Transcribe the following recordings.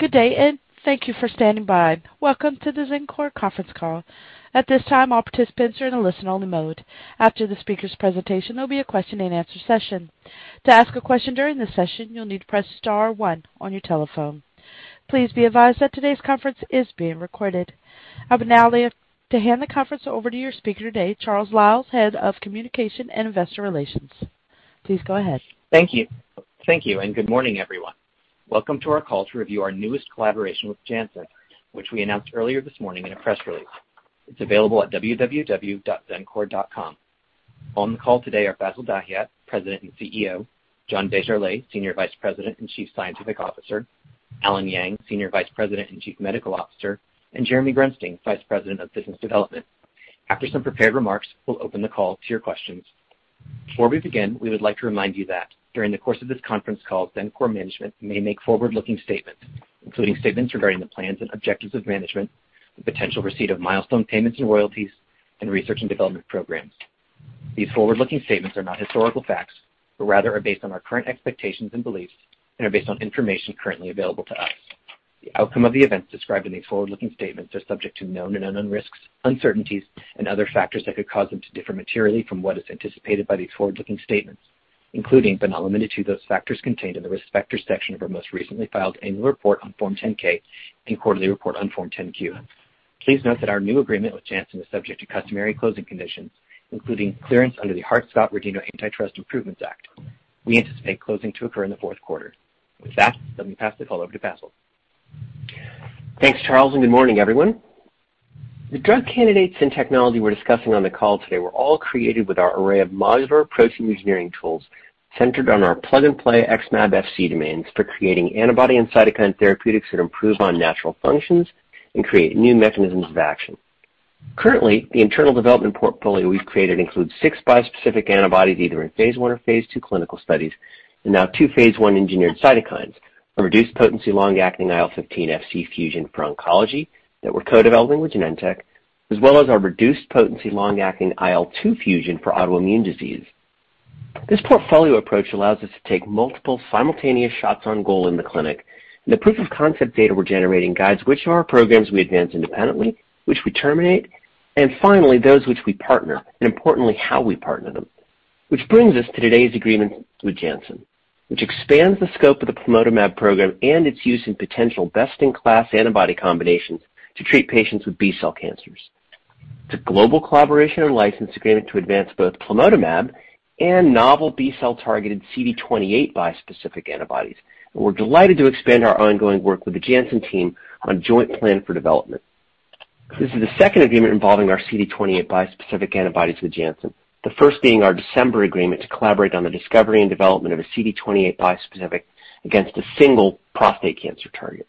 Good day, and thank you for standing by. Welcome to the Xencor conference call. At this time, all participants are in a listen-only mode. After the speaker's presentation, there will be a Question-and-Answer session. To ask a question during the session, you will need to press star one on your telephone. Please be advised that today's conference is being recorded. I would now like to hand the conference over to your speaker today, Charles Liles, Head of Communication and Investor Relations. Please go ahead. Thank you. Thank you, and good morning, everyone. Welcome to our call to review our newest collaboration with Janssen, which we announced earlier this morning in a press release. It's available at www.xencor.com. On the call today are Bassil Dahiyat, President and CEO, John Desjarlais, Senior Vice President and Chief Scientific Officer, Allen Yang, Senior Vice President and Chief Medical Officer, and Jeremy Grunstein, Vice President of Business Development. After some prepared remarks, we will open the call to your questions. Before we begin, we would like to remind you that during the course of this conference call, Xencor management may make forward-looking statements, including statements regarding the plans and objectives of management, the potential receipt of milestone payments and royalties, and research and development programs. These forward-looking statements are not historical facts, but rather are based on our current expectations and beliefs and are based on information currently available to us. The outcome of the events described in these forward-looking statements are subject to known and unknown risks, uncertainties and other factors that could cause them to differ materially from what is anticipated by these forward-looking statements, including but not limited to those factors contained in the Risk Factors section of our most recently filed annual report on Form 10-K and quarterly report on Form 10-Q. Please note that our new agreement with Janssen is subject to customary closing conditions, including clearance under the Hart-Scott-Rodino Antitrust Improvements Act. We anticipate closing to occur in the fourth quarter. With that, let me pass the call over to Bassil. Thanks, Charles, good morning, everyone. The drug candidates and technology we're discussing on the call today were all created with our array of modular protein engineering tools centered on our plug-and-play XmAb Fc domains for creating antibody and cytokine therapeutics that improve on natural functions and create new mechanisms of action. Currently, the internal development portfolio we've created includes six bispecific antibodies, either in phase I or phase II clinical studies, and now two phase I engineered cytokines, a reduced potency, long-acting IL-15 Fc fusion for oncology that we're co-developing with Genentech, as well as our reduced potency, long-acting IL-2 fusion for autoimmune disease. This portfolio approach allows us to take multiple simultaneous shots on goal in the clinic, and the proof-of-concept data we're generating guides which of our programs we advance independently, which we terminate, and finally, those which we partner, and importantly, how we partner them. Which brings us to today's agreement with Janssen, which expands the scope of the plamotamab program and its use in potential best-in-class antibody combinations to treat patients with B-cell cancers. It's a global collaboration and license agreement to advance both plamotamab and novel B-cell targeted CD28 bispecific antibodies, and we're delighted to expand our ongoing work with the Janssen team on joint plan for development. This is the second agreement involving our CD28 bispecific antibodies with Janssen, the first being our December agreement to collaborate on the discovery and development of a CD28 bispecific against a single prostate cancer target.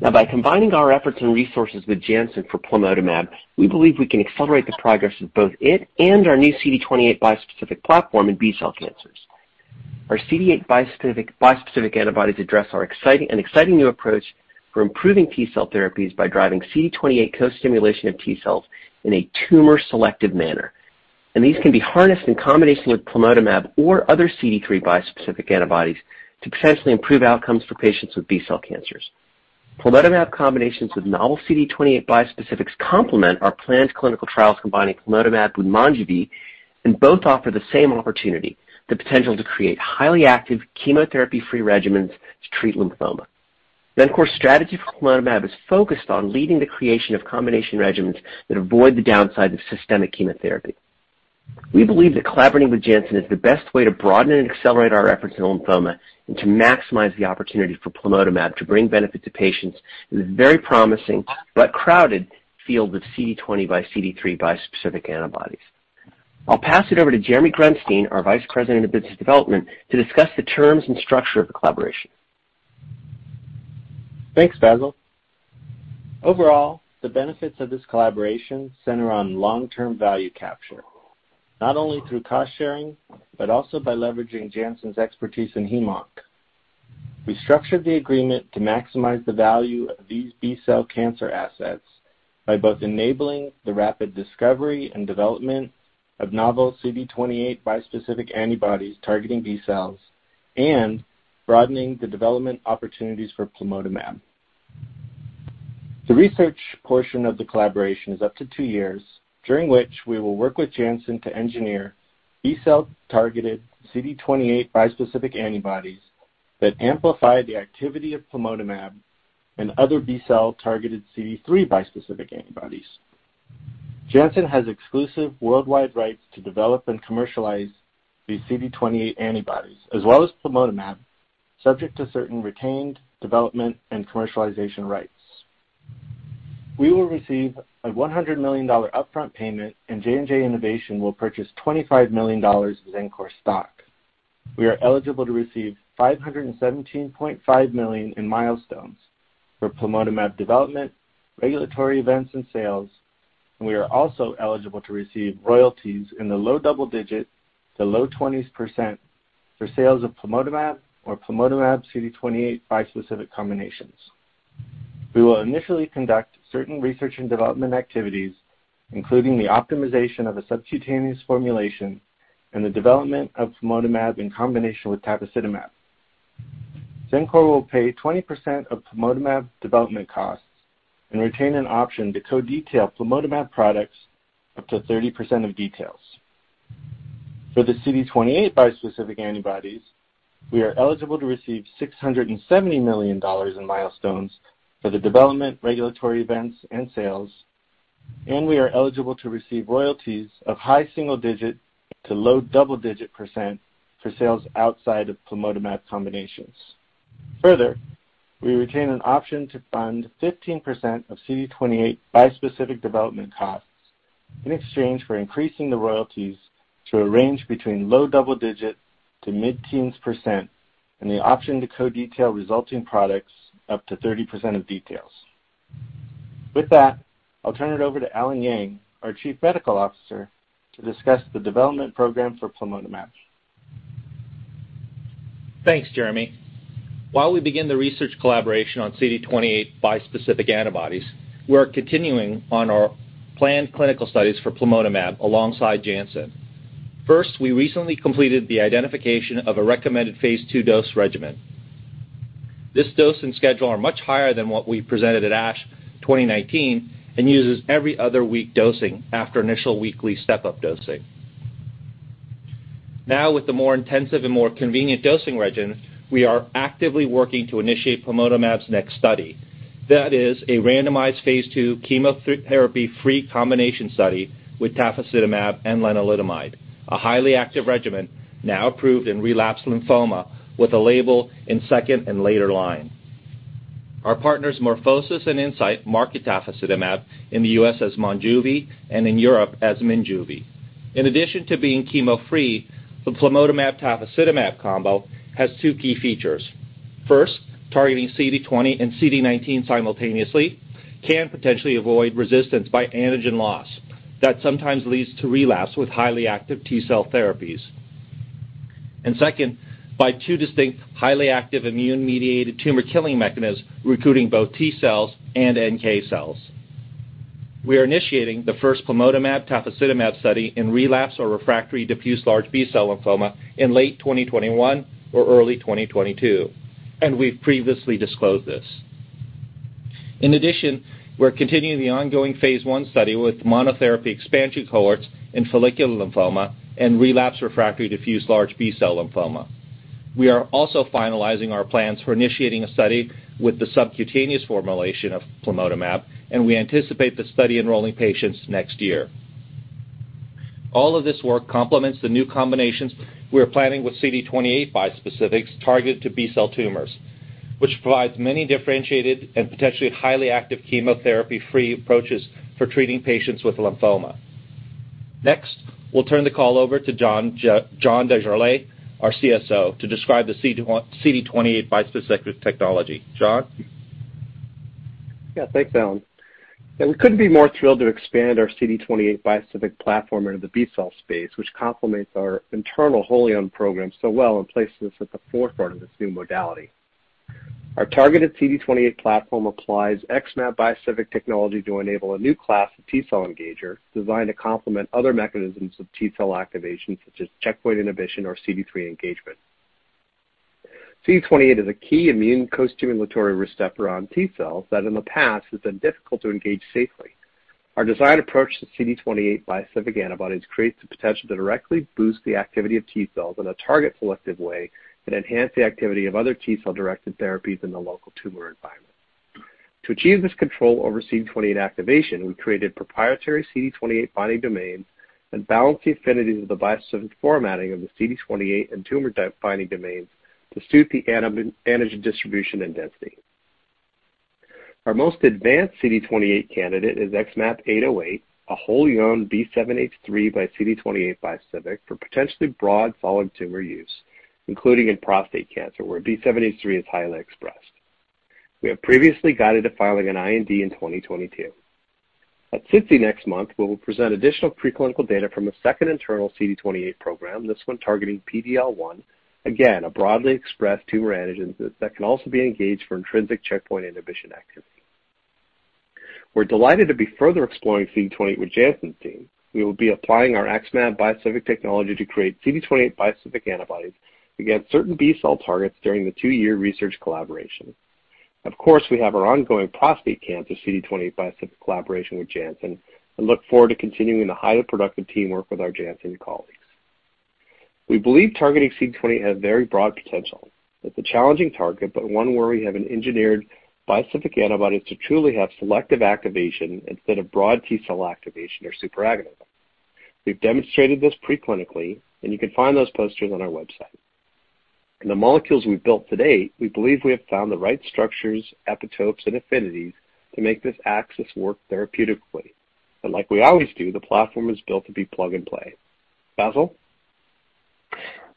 By combining our efforts and resources with Janssen for plamotamab, we believe we can accelerate the progress of both it and our new CD28 bispecific platform in B-cell cancers. Our CD28 bispecific antibodies address our exciting new approach for improving T-cell therapies by driving CD28 co-stimulation of T-cells in a tumor-selective manner, and these can be harnessed in combination with plamotamab or other CD3 bispecific antibodies to potentially improve outcomes for patients with B-cell cancers. Plamotamab combinations with novel CD28 bispecifics complement our planned clinical trials combining plamotamab with MONJUVI, and both offer the same opportunity, the potential to create highly active chemotherapy-free regimens to treat lymphoma. Of course, strategy for plamotamab is focused on leading the creation of combination regimens that avoid the downsides of systemic chemotherapy. We believe that collaborating with Janssen is the best way to broaden and accelerate our efforts in lymphoma and to maximize the opportunity for plamotamab to bring benefit to patients in the very promising but crowded field of CD20 by CD3 bispecific antibodies. I'll pass it over to Jeremy Grunstein, our Vice President of Business Development, to discuss the terms and structure of the collaboration. Thanks, Bassil. Overall, the benefits of this collaboration center on long-term value capture, not only through cost-sharing, but also by leveraging Janssen's expertise in Heme/Onc. We structured the agreement to maximize the value of these B-cell cancer assets by both enabling the rapid discovery and development of novel CD28 bispecific antibodies targeting B-cells and broadening the development opportunities for plamotamab. The research portion of the collaboration is up to two years, during which we will work with Janssen to engineer B-cell targeted CD28 bispecific antibodies that amplify the activity of plamotamab and other B-cell targeted CD3 bispecific antibodies. Janssen has exclusive worldwide rights to develop and commercialize these CD28 antibodies, as well as plamotamab, subject to certain retained development and commercialization rights. We will receive a $100 million upfront payment, and J&J Innovation will purchase $25 million of Xencor stock. We are eligible to receive $517.5 million in milestones for plamotamab development, regulatory events, and sales, and we are also eligible to receive royalties in the low double-digit to low 20s% for sales of plamotamab or plamotamab CD28 bispecific combinations. We will initially conduct certain research and development activities, including the optimization of a subcutaneous formulation and the development of plamotamab in combination with tafasitamab. Xencor will pay 20% of plamotamab development costs and retain an option to co-detail plamotamab products up to 30% of details. For the CD28 bispecific antibodies, we are eligible to receive $670 million in milestones for the development, regulatory events, and sales, and we are eligible to receive royalties of high single-digit to low double-digit% for sales outside of plamotamab combinations. Further, we retain an option to fund 15% of CD28 bispecific development costs in exchange for increasing the royalties to a range between low double-digit to mid-teens percent and the option to co-detail resulting products up to 30% of details. With that, I'll turn it over to Allen Yang, our Chief Medical Officer, to discuss the development program for plamotamab. Thanks, Jeremy. While we begin the research collaboration on CD28 bispecific antibodies, we are continuing on our planned clinical studies for plamotamab alongside Janssen. First, we recently completed the identification of a recommended phase II dose regimen. This dose and schedule are much higher than what we presented at ASH 2019 and uses every other week dosing after initial weekly step-up dosing. Now, with the more intensive and more convenient dosing regimen, we are actively working to initiate plamotamab's next study. That is a randomized phase II chemotherapy-free combination study with tafasitamab and lenalidomide, a highly active regimen now approved in relapsed lymphoma with a label in second and later line. Our partners, MorphoSys and Incyte, market tafasitamab in the U.S. as MONJUVI and in Europe as Minjuvi. In addition to being chemo-free, the plamotamab-tafasitamab combo has two key features. Targeting CD20 and CD19 simultaneously can potentially avoid resistance by antigen loss that sometimes leads to relapse with highly active T-cell therapies. Second, by two distinct, highly active immune-mediated tumor killing mechanisms recruiting both T-cells and NK cells. We are initiating the first plamotamab-tafasitamab study in relapse or refractory diffuse large B-cell lymphoma in late 2021 or early 2022. We've previously disclosed this. In addition, we're continuing the ongoing phase I study with monotherapy expansion cohorts in follicular lymphoma and relapse refractory diffuse large B-cell lymphoma. We are also finalizing our plans for initiating a study with the subcutaneous formulation of plamotamab. We anticipate the study enrolling patients next year. All of this work complements the new combinations we are planning with CD28 bispecifics targeted to B-cell tumors, which provides many differentiated and potentially highly active chemotherapy-free approaches for treating patients with lymphoma. Next, we'll turn the call over to John Desjarlais, our CSO, to describe the CD28 bispecific technology. John? Yeah, thanks, Allen. We couldn't be more thrilled to expand our CD28 bispecific platform into the B-cell space, which complements our internal wholly-owned program so well and places us at the forefront of this new modality. Our targeted CD28 platform applies XmAb bispecific technology to enable a new class of T-cell engager designed to complement other mechanisms of T-cell activation, such as checkpoint inhibition or CD3 engagement. CD28 is a key immune costimulatory receptor on T-cells that in the past has been difficult to engage safely. Our designed approach to CD28 bispecific antibodies creates the potential to directly boost the activity of T-cells in a target selective way and enhance the activity of other T-cell-directed therapies in the local tumor environment. To achieve this control over CD28 activation, we created proprietary CD28 binding domains and balanced the affinities of the bispecific formatting of the CD28 and tumor-binding domains to suit the antigen distribution and density. Our most advanced CD28 candidate is XmAb808, a wholly-owned B7-H3 by CD28 bispecific for potentially broad solid tumor use, including in prostate cancer, where B7-H3 is highly expressed. We have previously guided to filing an IND in 2022. At SITC next month, we will present additional preclinical data from a second internal CD28 program, this one targeting PD-L1, again, a broadly expressed tumor antigen that can also be engaged for intrinsic checkpoint inhibition activity. We're delighted to be further exploring CD28 with Janssen's team. We will be applying our XmAb bispecific technology to create CD28 bispecific antibodies against certain B-cell targets during the two-year research collaboration. Of course, we have our ongoing prostate cancer CD28 bispecific collaboration with Janssen and look forward to continuing the highly productive teamwork with our Janssen colleagues. We believe targeting CD28 has very broad potential. It's a challenging target, but one where we have an engineered bispecific antibody to truly have selective activation instead of broad T-cell activation or superagonist. We've demonstrated this preclinically, and you can find those posters on our website. In the molecules we've built to date, we believe we have found the right structures, epitopes, and affinities to make this axis work therapeutically. Like we always do, the platform is built to be plug and play. Bassil?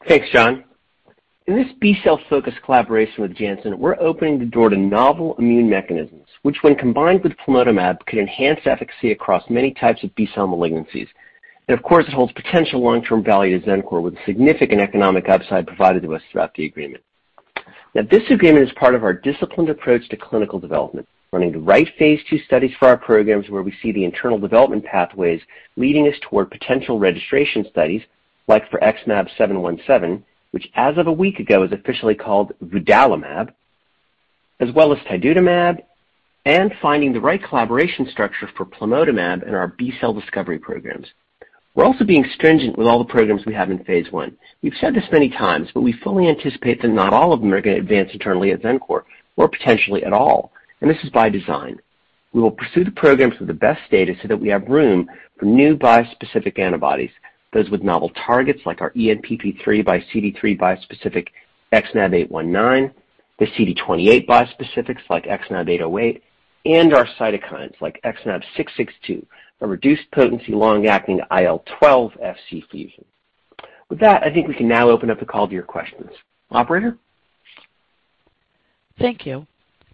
Thanks, John. In this B-cell focused collaboration with Janssen, we're opening the door to novel immune mechanisms, which when combined with plamotamab, could enhance efficacy across many types of B-cell malignancies. Of course, it holds potential long-term value to Xencor with significant economic upside provided to us throughout the agreement. This agreement is part of our disciplined approach to clinical development, running the right phase II studies for our programs where we see the internal development pathways leading us toward potential registration studies like for XmAb717, which as of a week ago is officially called vudalimab, as well as tidutamab, and finding the right collaboration structure for plamotamab and our B-cell discovery programs. We're also being stringent with all the programs we have in phase I. We've said this many times, we fully anticipate that not all of them are going to advance internally at Xencor or potentially at all, and this is by design. We will pursue the programs with the best data so that we have room for new bispecific antibodies, those with novel targets like our ENPP3 by CD3 bispecific XmAb819, the CD28 bispecifics like XmAb808, and our cytokines like XmAb662, a reduced-potency, long-acting IL-12 Fc fusion. With that, I think we can now open up the call to your questions. Operator? Thank you.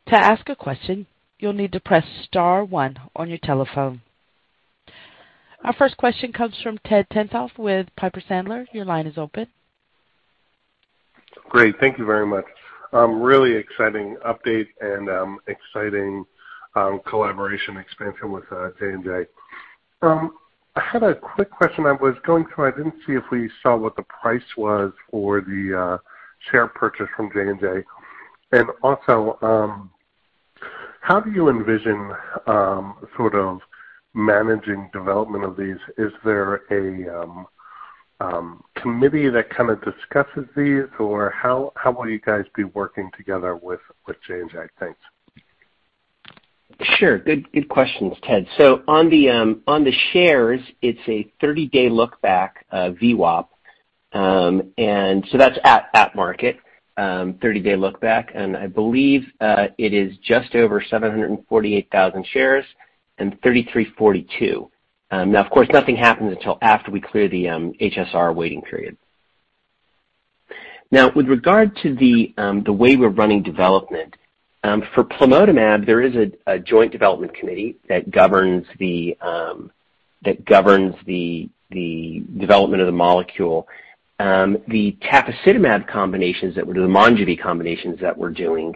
To ask a question, you'll need to press star one on your telephone. Our first question comes from Ed Tenthoff with Piper Sandler. Your line is open. Great. Thank you very much. Really exciting update and exciting collaboration expansion with J&J. I had a quick question I was going through. I didn't see if we saw what the price was for the share purchase from J&J. Also, how do you envision sort of managing development of these? Is there a committee that kind of discusses these, or how will you guys be working together with J&J? Thanks. Sure. Good questions, Ed. On the shares, it's a 30-day look-back, VWAP, that's at market, 30-day look-back, I believe it is just over 748,000 shares and $33.42. Of course, nothing happens until after we clear the HSR waiting period. With regard to the way we're running development. For plamotamab, there is a joint development committee that governs the development of the molecule. The tafasitamab combinations that we're doing, the MONJUVI combinations that we're doing,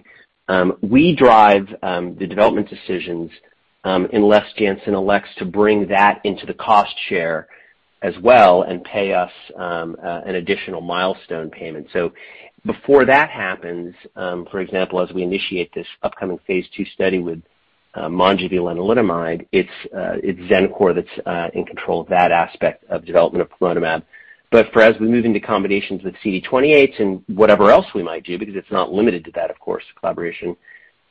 we drive the development decisions unless Janssen elects to bring that into the cost share as well and pay us an additional milestone payment. Before that happens, for example, as we initiate this upcoming phase II study with MONJUVI and lenalidomide, it's Xencor that's in control of that aspect of development of plamotamab. For as we move into combinations with CD28s and whatever else we might do, because it's not limited to that, of course, collaboration,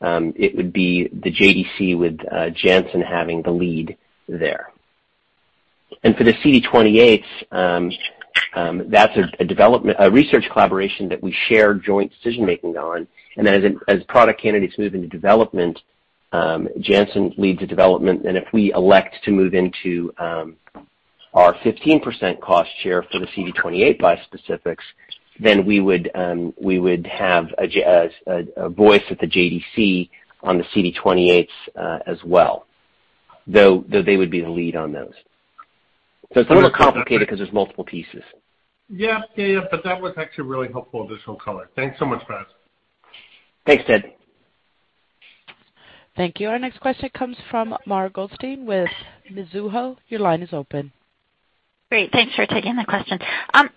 it would be the JDC with Janssen having the lead there. And for the CD28s, that's a research collaboration that we share joint decision-making on, and then as product candidates move into development, Janssen leads the development, and if we elect to move into our 15% cost share for the CD28 bispecifics, then we would have a voice at the JDC on the CD28s as well. Though they would be the lead on those. So, it's a little complicated because there's multiple pieces. Yeah. That was actually really helpful additional color. Thanks so much, Bassil. Thanks, Ed. Thank you. Our next question comes from Mara Goldstein with Mizuho. Your line is open. Great. Thanks for taking my question. Firstly,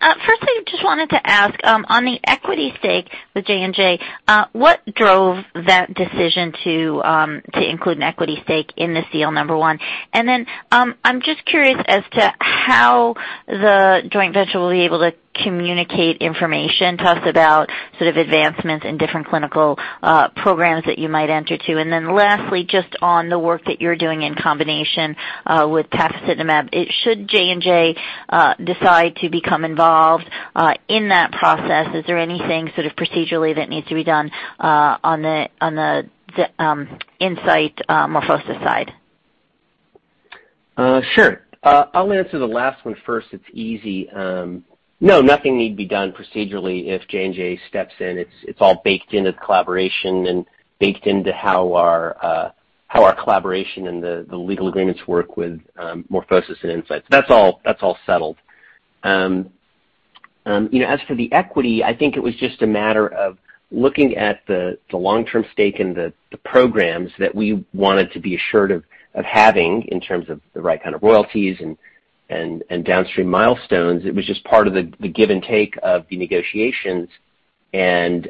I just wanted to ask, on the equity stake with J&J, what drove that decision to include an equity stake in this deal, number one? I'm just curious as to how the joint venture will be able to communicate information to us about sort of advancements in different clinical programs that you might enter to. Lastly, just on the work that you're doing in combination with tafasitamab. Should J&J decide to become involved in that process, is there anything sort of procedurally that needs to be done on the Incyte, MorphoSys side? Sure. I'll answer the last one first. It's easy. No, nothing need be done procedurally if J&J steps in. It's all baked into the collaboration and baked into how our collaboration and the legal agreements work with MorphoSys and Incyte. That's all settled. As for the equity, I think it was just a matter of looking at the long-term stake in the programs that we wanted to be assured of having in terms of the right kind of royalties and downstream milestones. It was just part of the give and take of the negotiations, and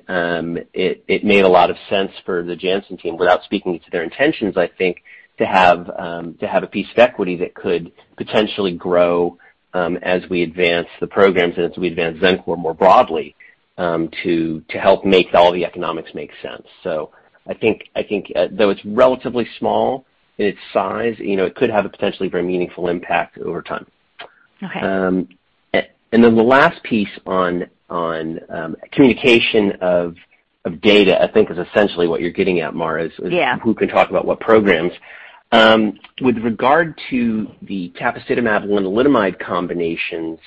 it made a lot of sense for the Janssen team, without speaking to their intentions, I think, to have a piece of equity that could potentially grow as we advance the programs and as we advance Xencor more broadly, to help make all the economics make sense. I think though it's relatively small in its size, it could have a potentially very meaningful impact over time. Okay. The last piece on communication of data, I think, is essentially what you're getting at, Mara- Yeah. is who can talk about what programs. With regard to the tafasitamab-lenalidomide combinations.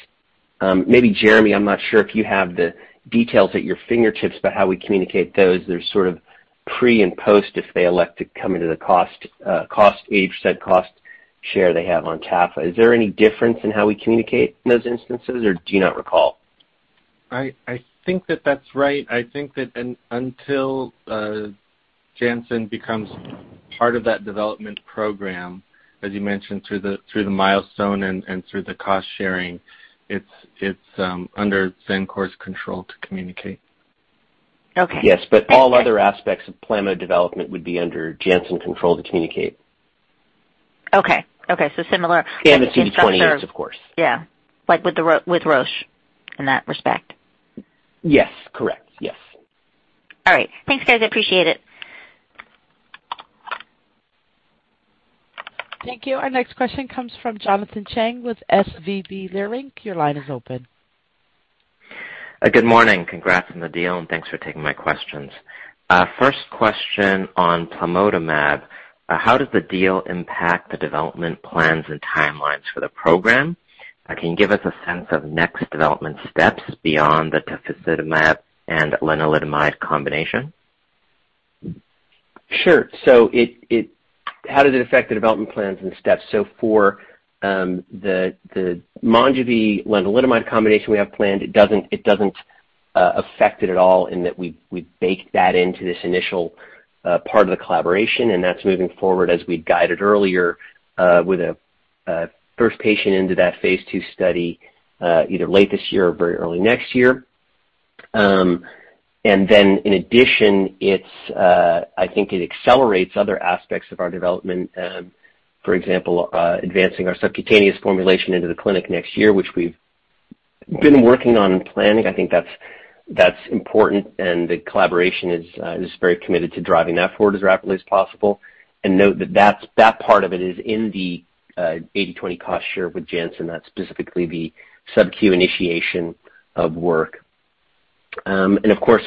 Maybe Jeremy, I'm not sure if you have the details at your fingertips about how we communicate those. They're sort of pre and post if they elect to come into the 80% cost share they have on tafasitamab. Is there any difference in how we communicate in those instances, or do you not recall? I think that that's right. I think that until Janssen becomes part of that development program, as you mentioned, through the milestone and through the cost sharing, it's under Xencor's control to communicate. Okay. Yes, all other aspects of plamotamab development would be under Janssen control to communicate. Okay. Similar. The CD28s, of course. Yeah. Like with Roche in that respect. Yes. Correct. Yes. All right. Thanks, guys. I appreciate it. Thank you. Our next question comes from Jonathan Chang with SVB Leerink. Your line is open. Good morning. Congrats on the deal. Thanks for taking my questions. First question on plamotamab. How does the deal impact the development plans and timelines for the program? Can you give us a sense of next development steps beyond the tafasitamab and lenalidomide combination? Sure. How does it affect the development plans and steps? For the MONJUVI lenalidomide combination we have planned, it doesn't affect it at all in that we baked that into this initial part of the collaboration, and that's moving forward as we'd guided earlier, with a first patient into that phase II study, either late this year or very early next year. In addition, I think it accelerates other aspects of our development. For example, advancing our subcutaneous formulation into the clinic next year, which we've been working on planning. I think that's important and the collaboration is very committed to driving that forward as rapidly as possible. Note that that part of it is in the 80/20 cost share with Janssen. That's specifically the subQ initiation of work. Of course,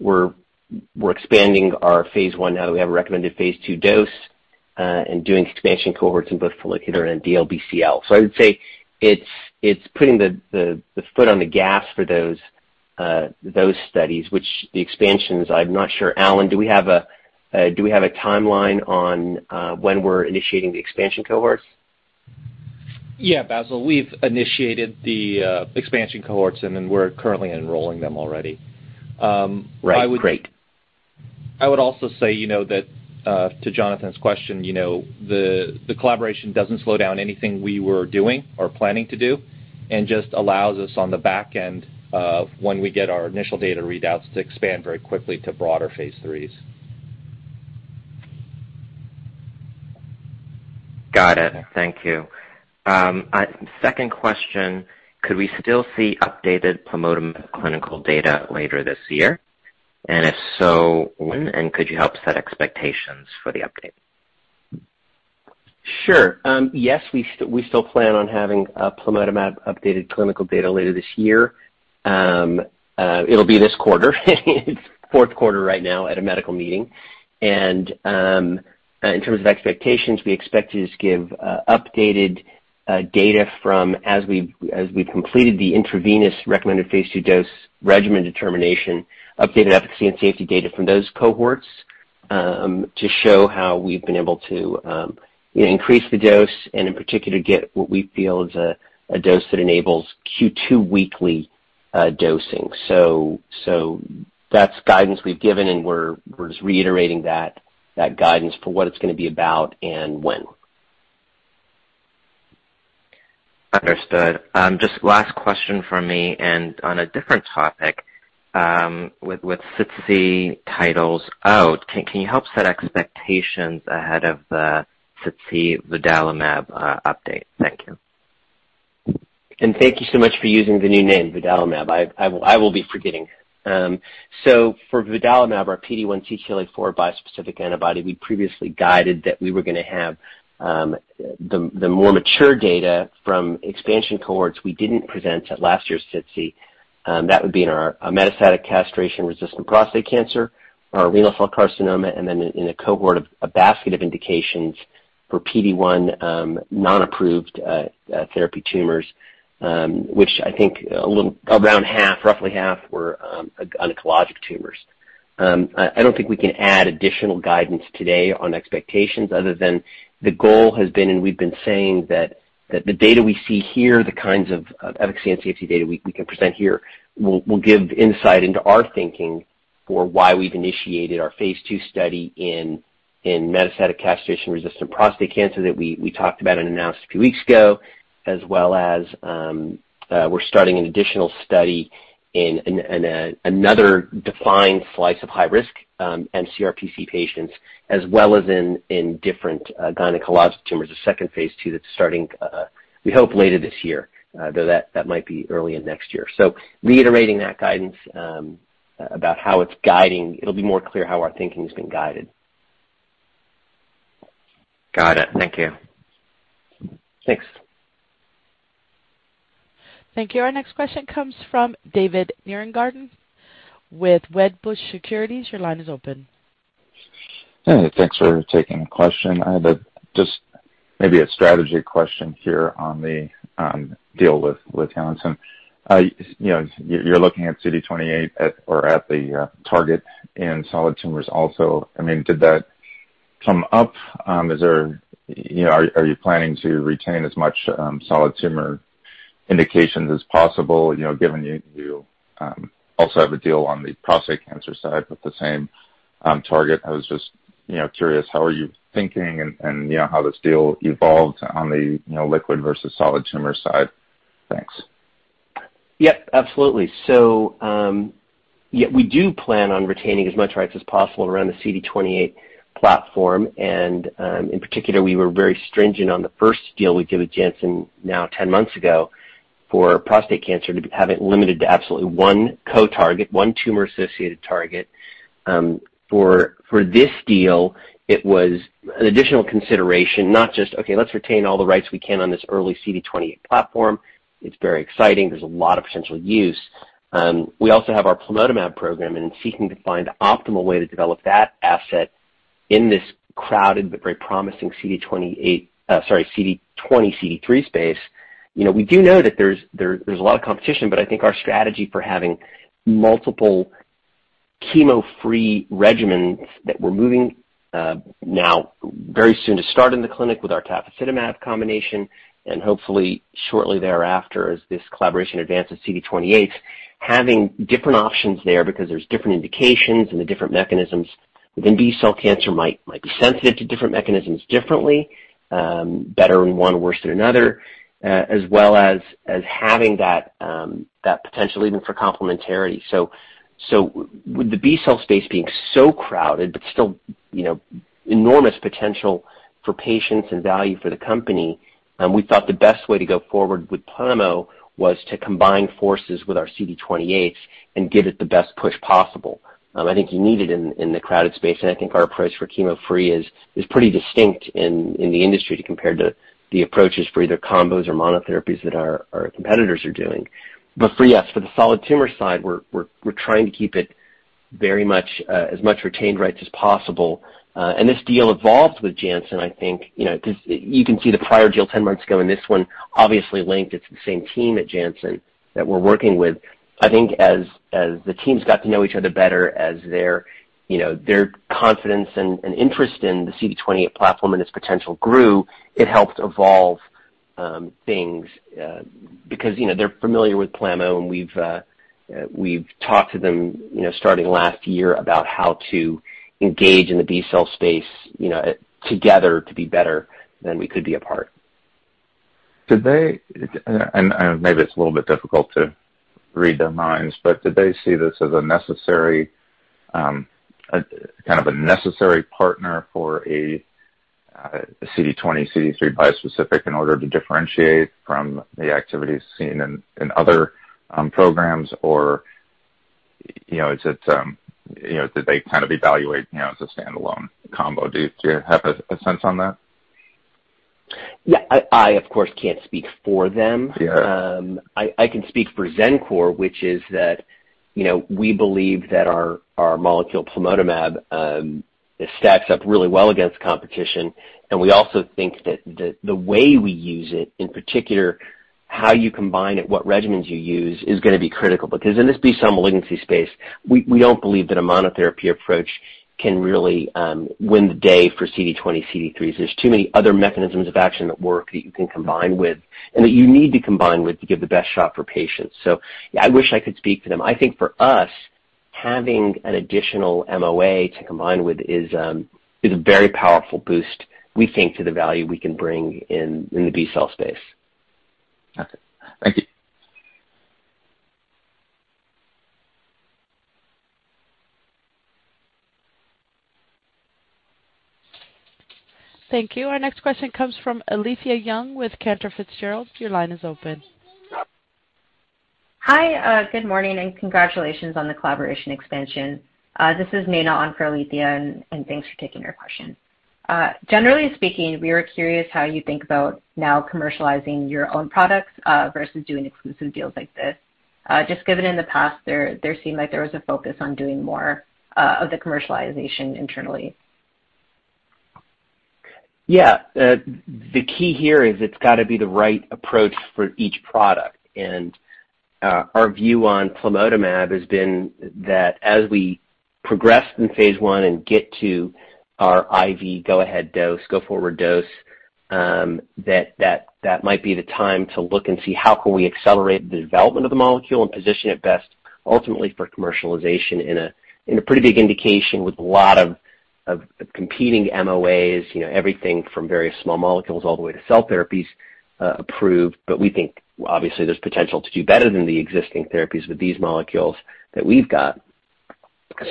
we're expanding our phase I now that we have a recommended phase II dose, and doing expansion cohorts in both follicular and DLBCL. I would say it's putting the foot on the gas for those studies, which the expansions, I'm not sure. Allen, do we have a timeline on when we're initiating the expansion cohorts? Yeah, Bassil, we've initiated the expansion cohorts and then we're currently enrolling them already. Right. Great. I would also say, to Jonathan's question, the collaboration doesn't slow down anything we were doing or planning to do, just allows us on the back end of when we get our initial data readouts to expand very quickly to broader phase III. Got it. Thank you. Second question, could we still see updated plamotamab clinical data later this year? If so, when, and could you help set expectations for the update? Yes, we still plan on having plamotamab updated clinical data later this year. It'll be this quarter, it's fourth quarter right now at a medical meeting. In terms of expectations, we expect to just give updated data from as we completed the intravenous recommended phase II dose regimen determination, updated efficacy and safety data from those cohorts, to show how we've been able to increase the dose and in particular, get what we feel is a dose that enables Q2 weekly dosing. That's guidance we've given and we're just reiterating that guidance for what it's going to be about and when. Understood. Just last question from me and on a different topic, with SITC titles out, can you help set expectations ahead of the SITC vudalimab update? Thank you. Thank you so much for using the new name, vudalimab. I will be forgetting. For vudalimab, our PD-1 CTLA-4 bispecific antibody, we previously guided that we were going to have the more mature data from expansion cohorts we didn't present at last year's SITC. That would be in our metastatic castration-resistant prostate cancer, our renal cell carcinoma, and then in a cohort of a basket of indications for PD-1 non-approved therapy tumors, which I think around half, roughly half, were gynecologic tumors. I don't think we can add additional guidance today on expectations other than the goal has been, and we've been saying that the data we see here, the kinds of efficacy and safety data we can present here, will give insight into our thinking for why we've initiated our phase II study in metastatic castration-resistant prostate cancer that we talked about and announced a few weeks ago, as well as we're starting an additional study in another defined slice of high-risk mCRPC patients, as well as in different gynecologic tumors, a second phase II that's starting, we hope later this year, though that might be early in next year. Reiterating that guidance about how it's guiding, it'll be more clear how our thinking has been guided. Got it. Thank you. Thanks. Thank you. Our next question comes from David Nierengarten with Wedbush Securities. Your line is open. Hey, thanks for taking the question. I have just maybe a strategy question here on the deal with Janssen. You're looking at CD28 or at the target in solid tumors also. Did that come up? Are you planning to retain as much solid tumor indications as possible, given you also have a deal on the prostate cancer side with the same target? I was just curious, how are you thinking and how this deal evolved on the liquid versus solid tumor side. Thanks. Yep, absolutely. We do plan on retaining as much rights as possible around the CD28 platform. In particular, we were very stringent on the first deal we did with Janssen now 10 months ago for prostate cancer to have it limited to absolutely one co-target, one tumor-associated target. For this deal, it was an additional consideration, not just, okay, let's retain all the rights we can on this early CD28 platform. It's very exciting. There's a lot of potential use. We also have our plamotamab program and seeking to find the optimal way to develop that asset in this crowded but very promising CD20, CD3 space. We do know that there's a lot of competition. I think our strategy for having multiple chemo-free regimens that we're moving now very soon to start in the clinic with our tafasitamab combination, and hopefully shortly thereafter as this collaboration advances CD28, having different options there because there's different indications and the different mechanisms within B-cell cancer might be sensitive to different mechanisms differently, better in one, worse than another, as well as having that potential even for complementarity. With the B-cell space being so crowded, but still enormous potential for patients and value for the company, we thought the best way to go forward with plamo was to combine forces with our CD28 and give it the best push possible. I think you need it in the crowded space, and I think our approach for chemo-free is pretty distinct in the industry to compare to the approaches for either combos or monotherapies that our competitors are doing. For, yes, for the solid tumor side, we're trying to keep it very much as much retained rights as possible. This deal evolved with Janssen, I think. You can see the prior deal 10 months ago, and this one obviously linked. It's the same team at Janssen that we're working with. I think as the teams got to know each other better, as their confidence and interest in the CD28 platform and its potential grew, it helped evolve things. They're familiar with plamo, and we've talked to them starting last year about how to engage in the B-cell space together to be better than we could be apart. Did they, and maybe it's a little bit difficult to read their minds, but did they see this as a necessary partner for a CD20, CD3 bispecific in order to differentiate from the activities seen in other programs? Did they kind of evaluate as a standalone combo? Do you have a sense on that? Yeah. I, of course, can't speak for them. Sure. I can speak for Xencor, which is that we believe that our molecule plamotamab stacks up really well against competition, and we also think that the way we use it, in particular, how you combine it, what regimens you use is going to be critical. In this B-cell malignancy space, we don't believe that a monotherapy approach can really win the day for CD20, CD3s. There's too many other mechanisms of action at work that you can combine with and that you need to combine with to give the best shot for patients. Yeah, I wish I could speak for them. I think for us, having an additional MOA to combine with is a very powerful boost, we think, to the value we can bring in the B-cell space. Okay. Thank you. Thank you. Our next question comes from Alethia Young with Cantor Fitzgerald. Your line is open. Hi. Good morning, and congratulations on the collaboration expansion. This is Naina on for Alethia, and thanks for taking our question. Generally speaking, we were curious how you think about now commercializing your own products, versus doing exclusive deals like this. Just given in the past, there seemed like there was a focus on doing more of the commercialization internally. Yeah. The key here is it's got to be the right approach for each product. Our view on plamotamab has been that as we progress in phase I and get to our IV go-ahead dose, go-forward dose, that might be the time to look and see how can we accelerate the development of the molecule and position it best, ultimately, for commercialization in a pretty big indication with a lot of competing MOAs. Everything from very small molecules all the way to cell therapies approved. We think, obviously, there's potential to do better than the existing therapies with these molecules that we've got.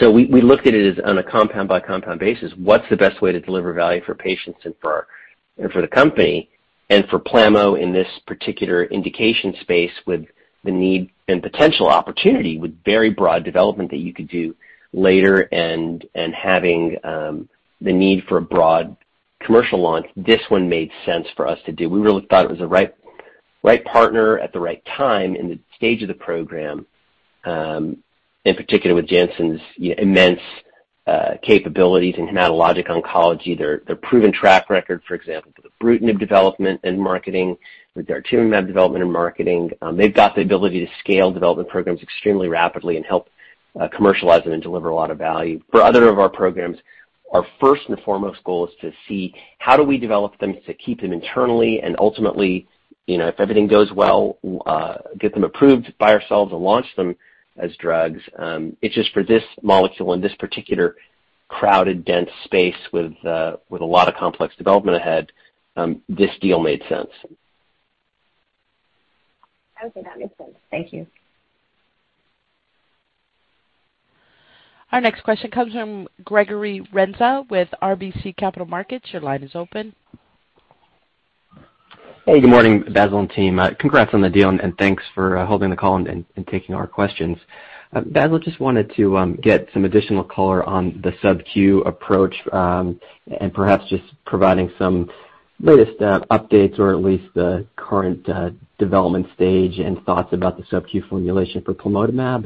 We looked at it as on a compound-by-compound basis, what's the best way to deliver value for patients and for the company, and for plamo in this particular indication space with the need and potential opportunity with very broad development that you could do later and having the need for a broad commercial launch. This one made sense for us to do. We really thought it was the right partner at the right time in the stage of the program, in particular with Janssen's immense capabilities in hematologic oncology, their proven track record, for example, for the daratumumab of development and marketing, with their ibrutinib development and marketing. They've got the ability to scale development programs extremely rapidly and help commercialize them and deliver a lot of value. For other of our programs, our first and foremost goal is to see how do we develop them to keep them internally and ultimately, if everything goes well, get them approved by ourselves and launch them as drugs. It's just for this molecule in this particular crowded, dense space with a lot of complex development ahead, this deal made sense. Okay, that makes sense. Thank you. Our next question comes from Gregory Renza with RBC Capital Markets. Your line is open. Hey, good morning, Bassil and team. Congrats on the deal, thanks for holding the call and taking our questions. Bassil, just wanted to get some additional color on the subQ approach, and perhaps just providing some latest updates or at least the current development stage and thoughts about the subQ formulation for plamotamab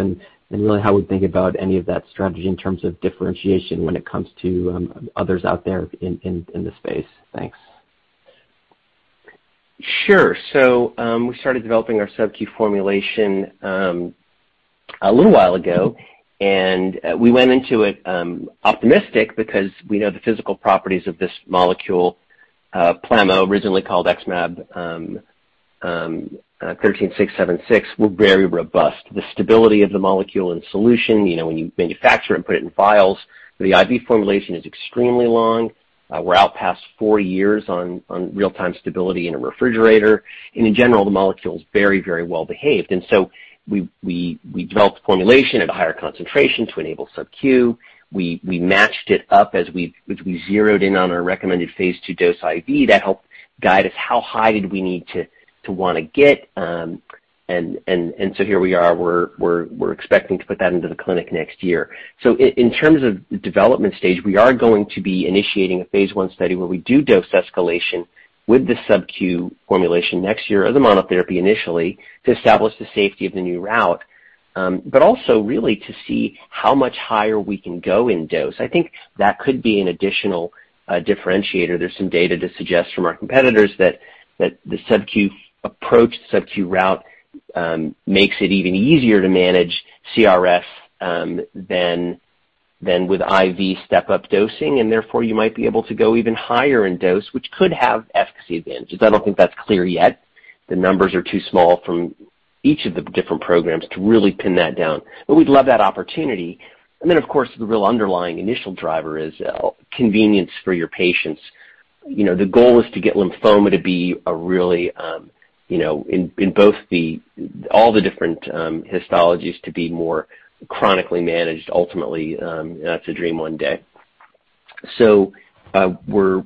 and really how we think about any of that strategy in terms of differentiation when it comes to others out there in the space. Thanks. Sure. We started developing our subQ formulation a little while ago, and we went into it optimistic because we know the physical properties of this molecule, plamo, originally called XmAb13676, were very robust. The stability of the molecule and solution, when you manufacture it and put it in vials, the IV formulation is extremely long. We're out past four years on real-time stability in a refrigerator. In general, the molecule is very well behaved. We developed the formulation at a higher concentration to enable subQ. We matched it up as we zeroed in on our recommended phase II dose IV. That helped guide us how high did we need to want to get. Here we are. We're expecting to put that into the clinic next year. In terms of the development stage, we are going to be initiating a phase I study where we do dose escalation with the subQ formulation next year as a monotherapy initially to establish the safety of the new route. Also really to see how much higher we can go in dose. I think that could be an additional differentiator. There's some data to suggest from our competitors that the subQ approach, subQ route, makes it even easier to manage CRS than with IV step-up dosing, and therefore, you might be able to go even higher in dose, which could have efficacy advantages. I don't think that's clear yet. The numbers are too small from each of the different programs to really pin that down, but we'd love that opportunity. Then, of course, the real underlying initial driver is convenience for your patients. The goal is to get lymphoma to be a really, in all the different histologies, to be more chronically managed ultimately. That's a dream one day. We're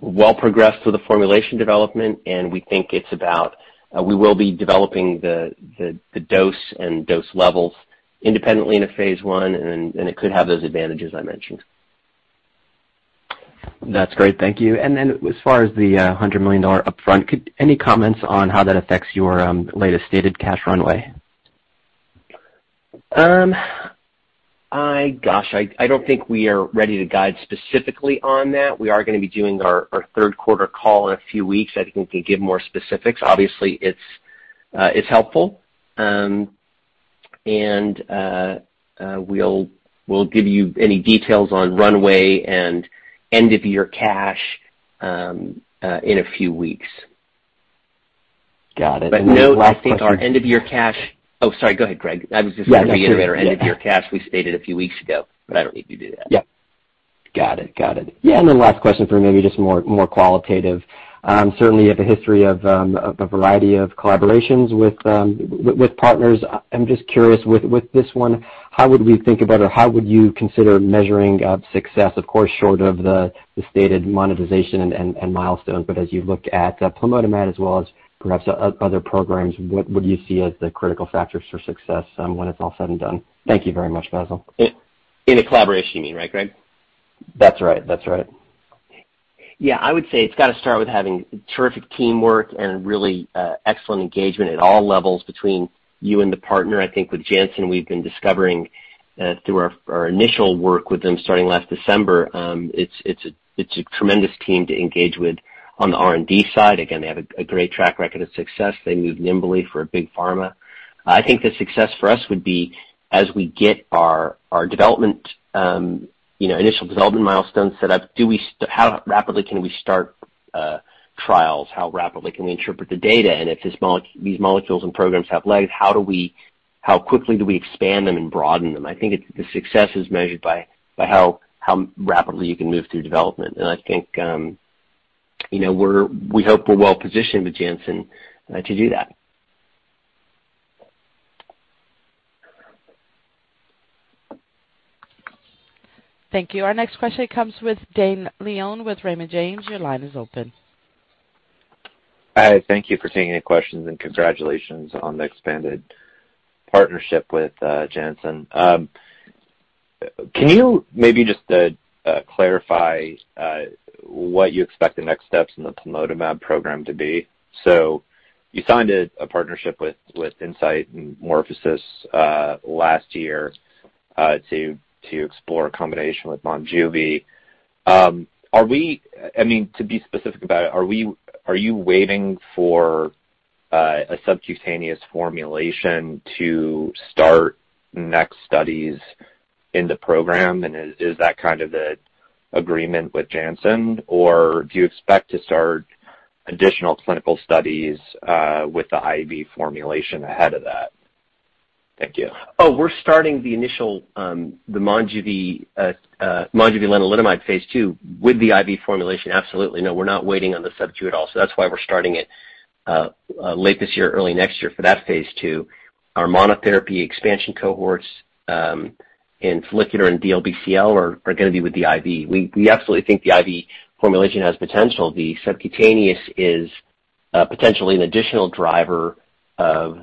well progressed with the formulation development, and we think it's about, we will be developing the dose and dose levels independently in a phase I, and it could have those advantages I mentioned. That's great. Thank you. As far as the $100 million upfront, any comments on how that affects your latest stated cash runway? Gosh, I don't think we are ready to guide specifically on that. We are going to be doing our third quarter call in a few weeks. I think we can give more specifics. Obviously, it's helpful. We'll give you any details on runway and end-of-year cash in a few weeks. Got it. Last question. Note, Oh, sorry. Go ahead, Greg. I was just going to reiterate our end-of-year cash we stated a few weeks ago, but I don't need to do that. Yep. Got it. Then last question for maybe just more qualitative. Certainly, you have a history of a variety of collaborations with partners. I'm just curious, with this one, how would we think about or how would you consider measuring success? Of course, short of the stated monetization and milestones, but as you look at plamotamab as well as perhaps other programs, what do you see as the critical factors for success when it's all said and done? Thank you very much, Bassil. In a collaboration, you mean, right, Greg? That's right. Yeah, I would say it's got to start with having terrific teamwork and really excellent engagement at all levels between you and the partner. I think with Janssen, we've been discovering through our initial work with them starting last December, it's a tremendous team to engage with on the R&D side. Again, they have a great track record of success. They move nimbly for a big pharma. I think the success for us would be as we get our initial development milestones set up, how rapidly can we start trials? How rapidly can we interpret the data? And if these molecules and programs have legs, how quickly do we expand them and broaden them? I think the success is measured by how rapidly you can move through development. I think, we hope we're well-positioned with Janssen to do that. Thank you. Our next question comes with Dane Leone with Raymond James. Your line is open. Hi. Thank you for taking the questions, and congratulations on the expanded partnership with Janssen. Can you maybe just clarify what you expect the next steps in the plamotamab program to be? You signed a partnership with Incyte and MorphoSys last year to explore a combination with MONJUVI. To be specific about it, are you waiting for a subcutaneous formulation to start the next studies in the program? Is that the agreement with Janssen? Do you expect to start additional clinical studies with the IV formulation ahead of that? Thank you. We're starting the initial MONJUVI lenalidomide phase II with the IV formulation. Absolutely. We're not waiting on the subQ at all. That's why we're starting it late this year, early next year for that phase II. Our monotherapy expansion cohorts in follicular and DLBCL are going to be with the IV. We absolutely think the IV formulation has potential. The subcutaneous is potentially an additional driver of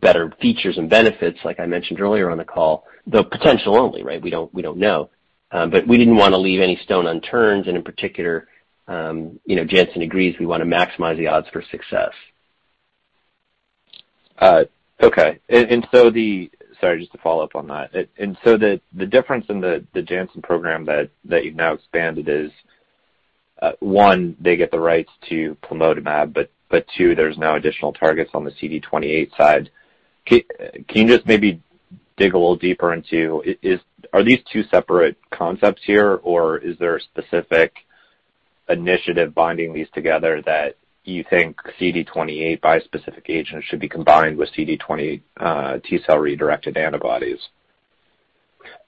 better features and benefits, like I mentioned earlier on the call, though potential only. We don't know. We didn't want to leave any stone unturned, and in particular, Janssen agrees we want to maximize the odds for success. Okay. Sorry, just to follow up on that. The difference in the Janssen program that you've now expanded is, one, they get the rights to plamotamab, but two, there's now additional targets on the CD28 side. Can you just maybe dig a little deeper into, are these two separate concepts here, or is there a specific initiative binding these together that you think CD28 bispecific agents should be combined with CD20 T-cell redirected antibodies?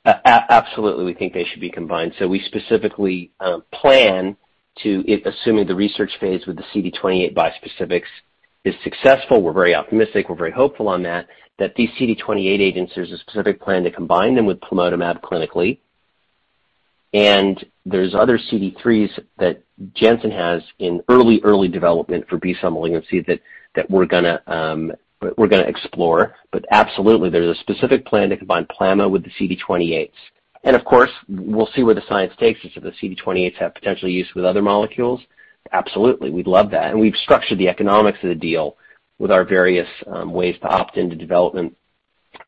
Absolutely, we think they should be combined. We specifically plan to, assuming the research phase with the CD28 bispecifics is successful, we're very optimistic, we're very hopeful on that these CD28 agents, there's a specific plan to combine them with plamotamab clinically. There's other CD3s that Janssen has in early development for B-cell malignancies that we're going to explore. Absolutely, there's a specific plan to combine plamo with the CD28s. Of course, we'll see where the science takes us if the CD28s have potential use with other molecules. Absolutely, we'd love that. We've structured the economics of the deal with our various ways to opt into development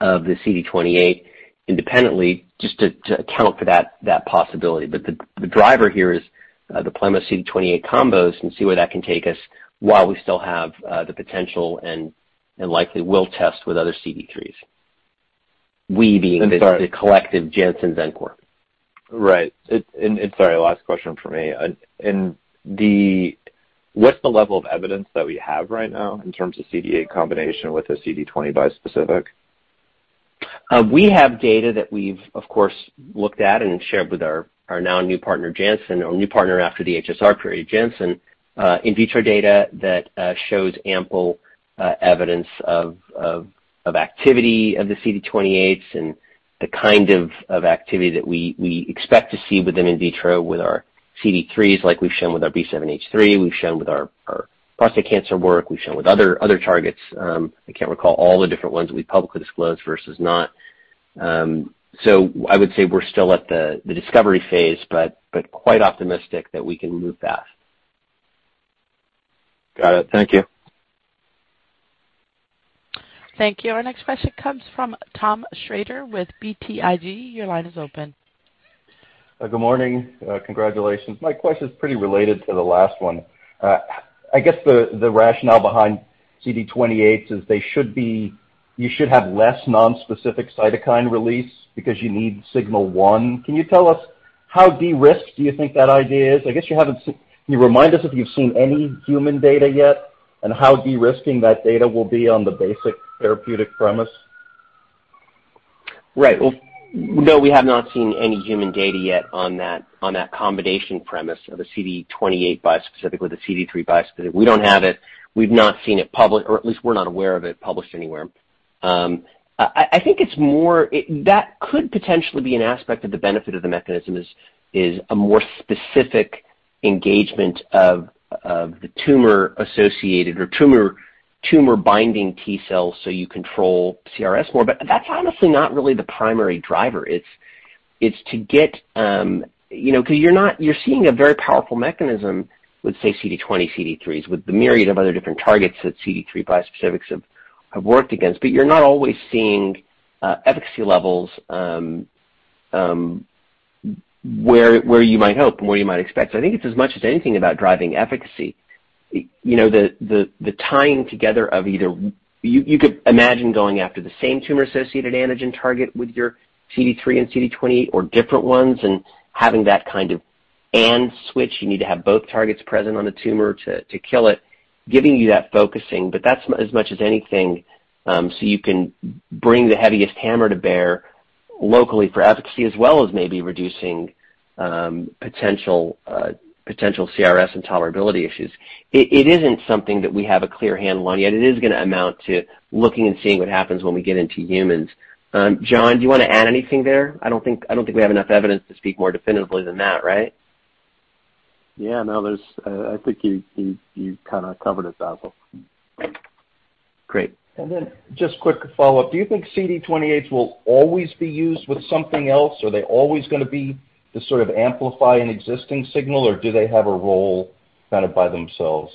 of the CD28 independently, just to account for that possibility. The driver here is the plamo CD28 combos and see where that can take us while we still have the potential, and likely will test with other CD3s. We being the collective Janssen Xencor. Right. Sorry, last question from me. What's the level of evidence that we have right now in terms of CD28 combination with a CD20 bispecific? We have data that we've, of course, looked at and shared with our now new partner, Janssen, our new partner after the HSR period, Janssen, in vitro data that shows ample evidence of activity of the CD28s and the kind of activity that we expect to see with them in vitro with our CD3s, like we've shown with our B7-H3, we've shown with our prostate cancer work, we've shown with other targets. I can't recall all the different ones that we publicly disclosed versus not. I would say we're still at the discovery phase, but quite optimistic that we can move fast. Got it. Thank you. Thank you. Our next question comes from Tom Shrader with BTIG. Your line is open. Good morning. Congratulations. My question's pretty related to the last one. I guess the rationale behind CD28s is you should have less non-specific cytokine release because you need Signal 1. Can you tell us how de-risked do you think that idea is? Can you remind us if you've seen any human data yet, and how de-risking that data will be on the basic therapeutic premise? Right. No, we have not seen any human data yet on that combination premise of a CD28 bispecific with a CD3 bispecific. We don't have it, we've not seen it public, or at least we're not aware of it published anywhere. That could potentially be an aspect of the benefit of the mechanism is a more specific engagement of the tumor-associated or tumor-binding T cells, so you control CRS more. That's honestly not really the primary driver. You're seeing a very powerful mechanism with, say, CD20, CD3s with the myriad of other different targets that CD3 bispecifics have worked against. You're not always seeing efficacy levels where you might hope and where you might expect. I think it's as much as anything about driving efficacy. You could imagine going after the same tumor-associated antigen target with your CD3 and CD20 or different ones and having that kind of and switch, you need to have both targets present on the tumor to kill it, giving you that focusing. That's as much as anything, so you can bring the heaviest hammer to bear locally for efficacy, as well as maybe reducing potential CRS and tolerability issues. It isn't something that we have a clear handle on yet. It is going to amount to looking and seeing what happens when we get into humans. John, do you want to add anything there? I don't think we have enough evidence to speak more definitively than that, right? Yeah, no, I think you kind of covered it, Bassil. Great. Just quick follow-up. Do you think CD28s will always be used with something else? Are they always going to be to sort of amplify an existing signal, or do they have a role by themselves?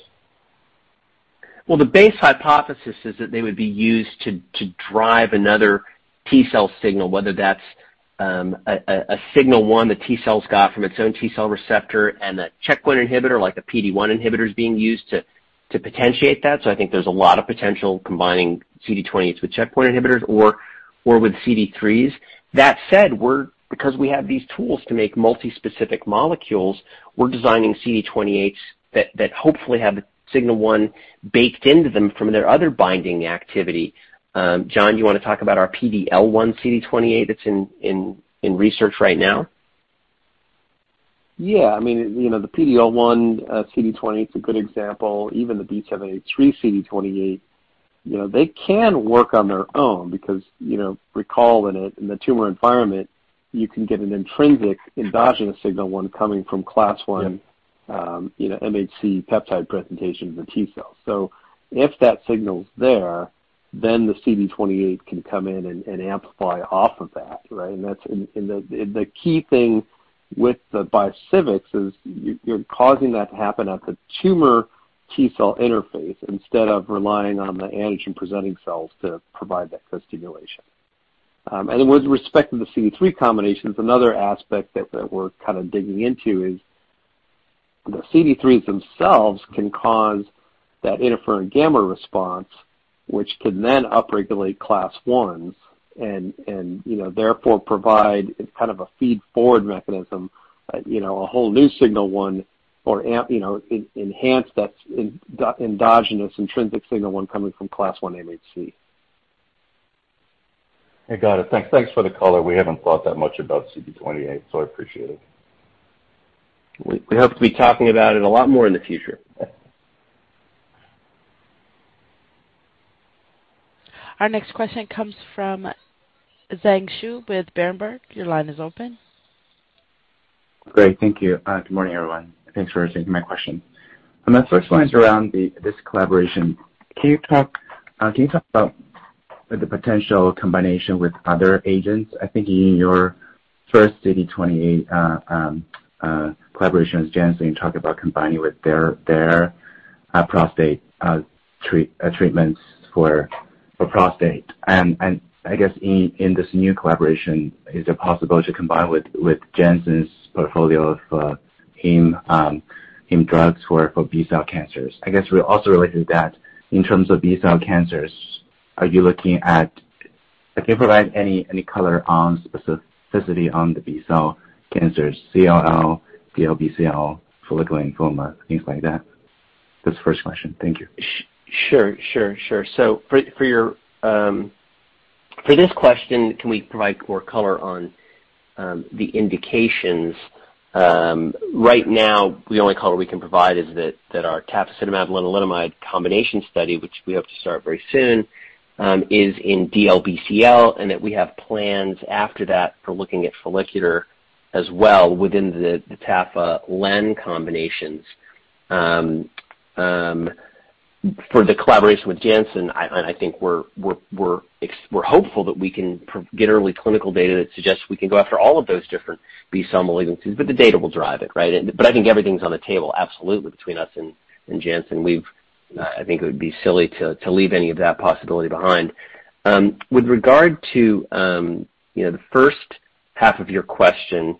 The base hypothesis is that they would be used to drive another T cell signal, whether that's a Signal 1 the T cell's got from its own T cell receptor and a checkpoint inhibitor like the PD-1 inhibitors being used to potentiate that. I think there's a lot of potential combining CD28s with checkpoint inhibitors or with CD3s. That said, because we have these tools to make multi-specific molecules, we're designing CD28s that hopefully have the Signal 1 baked into them from their other binding activity. John, do you want to talk about our PD-L1 CD28 that's in research right now? Yeah. The PD-L1 CD28 is a good example, even the B7-H3 CD28. They can work on their own because, recall in the tumor environment, you can get an intrinsic endogenous Signal 1 coming from Class I- Yeah. MHC peptide presentation of the T cell. If that signal's there, then the CD28 can come in and amplify off of that, right? The key thing with the bispecifics is you're causing that to happen at the tumor T cell interface instead of relying on the antigen-presenting cells to provide that co-stimulation. With respect to the CD3 combinations, another aspect that we're kind of digging into is the CD3s themselves can cause that interferon gamma response, which can then upregulate Class Is and therefore provide kind of a feedforward mechanism, a whole new Signal 1 or enhance that endogenous intrinsic Signal 1 coming from Class I MHC. I got it. Thanks for the color. We haven't thought that much about CD28, so I appreciate it. We hope to be talking about it a lot more in the future. Okay. Our next question comes from Zhiqiang Shu with Berenberg. Your line is open. Great, thank you. Good morning, everyone. Thanks for taking my question. My first question is around this collaboration. Can you talk about the potential combination with other agents? I think in your first CD28 collaboration with Janssen, you talked about combining with their prostate treatments for prostate. I guess in this new collaboration, is it possible to combine with Janssen's portfolio of heme drugs for B-cell cancers? I guess also related to that, in terms of B-cell cancers, can you provide any color on specificity on the B-cell cancers, CLL, DLBCL, follicular lymphoma, things like that? That's the first question. Thank you. Sure. For this question, can we provide more color on the indications? Right now, the only color we can provide is that our tafasitamab-lenalidomide combination study, which we hope to start very soon, is in DLBCL, and that we have plans after that for looking at follicular as well within the tafasitamab-lenalidomide combinations. For the collaboration with Janssen, I think we're hopeful that we can get early clinical data that suggests we can go after all of those different B-cell malignancies, the data will drive it, right? I think everything's on the table absolutely between us and Janssen. I think it would be silly to leave any of that possibility behind. With regard to the first half of your question,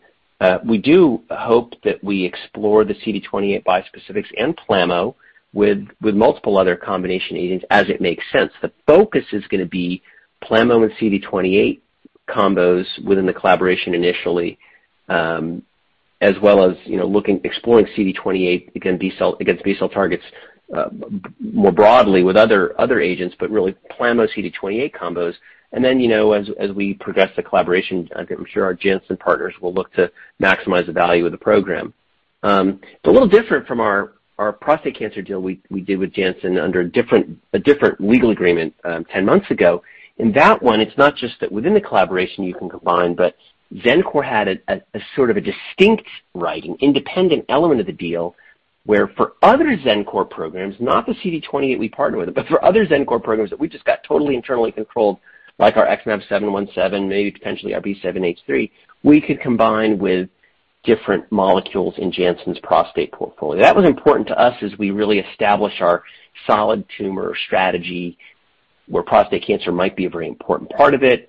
we do hope that we explore the CD28 bispecifics and plamo with multiple other combination agents as it makes sense. The focus is going to be plamo and CD28 combos within the collaboration initially as well as exploring CD28 against B-cell targets more broadly with other agents, but really plamo CD28 combos. As we progress the collaboration, I'm sure our Janssen partners will look to maximize the value of the program. It's a little different from our prostate cancer deal we did with Janssen under a different legal agreement 10 months ago. In that one, it's not just that within the collaboration you can combine, but Xencor had a sort of a distinct right, an independent element of the deal, where for other Xencor programs, not the CD28 we partner with, but for other Xencor programs that we just got totally internally controlled, like our XmAb717, maybe potentially our B7-H3, we could combine with different molecules in Janssen's prostate portfolio. That was important to us as we really establish our solid tumor strategy, where prostate cancer might be a very important part of it,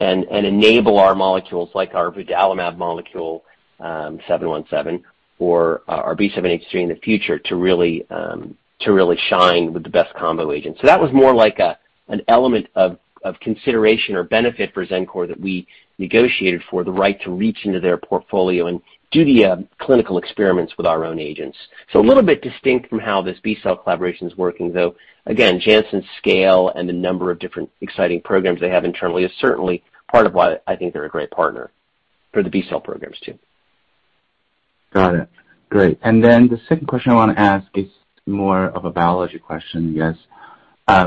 and enable our molecules like our vudalimab molecule, 717, or our B7-H3 in the future, to really shine with the best combo agent. That was more like an element of consideration or benefit for Xencor that we negotiated for the right to reach into their portfolio and do the clinical experiments with our own agents. A little bit distinct from how this B-cell collaboration is working, though. Again, Janssen's scale and the number of different exciting programs they have internally is certainly part of why I think they're a great partner for the B-cell programs too. Got it. Great. The second question I want to ask is more of a biology question, I guess.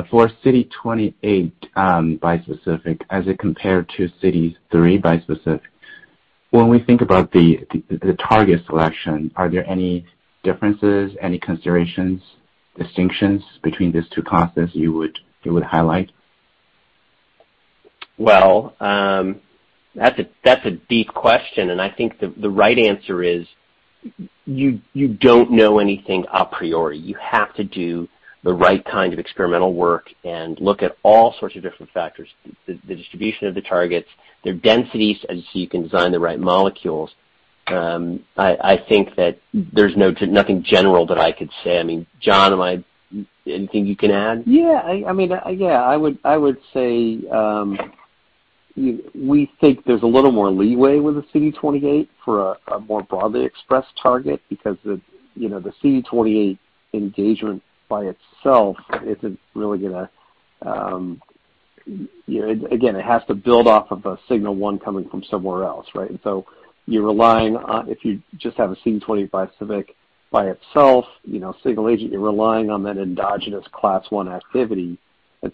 For CD28 bispecific as it compared to CD3 bispecific, when we think about the target selection, are there any differences, any considerations, distinctions between these two classes you would highlight? Well, that's a deep question, and I think the right answer is you don't know anything a priori. You have to do the right kind of experimental work and look at all sorts of different factors, the distribution of the targets, their densities, and so you can design the right molecules. I think that there's nothing general that I could say. John, anything you can add? Yeah. I would say, we think there's a little more leeway with the CD28 for a more broadly expressed target because it has to build off of a Signal 1 coming from somewhere else, right? You're relying on, if you just have a CD28 bispecific by itself, single agent, you're relying on that endogenous Class I activity.